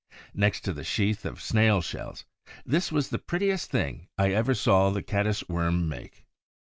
Next to the sheaths of snail shells, this was the prettiest thing I ever saw the Caddis worms make.